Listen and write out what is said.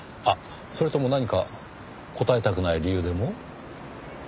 あっそれとも何か答えたくない理由でも？